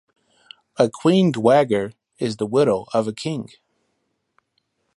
A queen dowager is the widow of a king.